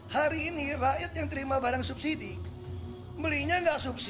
hari ini rakyat yang terima barang subsidi belinya nggak subsidi